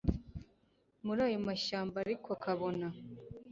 murayomashyambaariko akabona